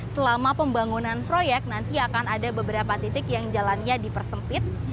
selama pembangunan proyek nanti akan ada beberapa titik yang jalannya dipersempit